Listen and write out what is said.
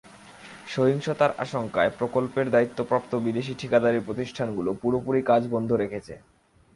সহিংসতার আশঙ্কায় প্রকল্পের দায়িত্বপ্রাপ্ত বিদেশি ঠিকাদারি প্রতিষ্ঠানগুলো পুরোপুরি কাজ বন্ধ রেখেছে।